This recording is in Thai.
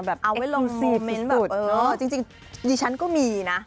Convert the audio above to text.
เอาไว้ลงซีเมนต์แบบเออจริงดิฉันก็มีนะ